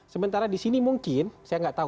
sementara di sini mungkin saya nggak tahu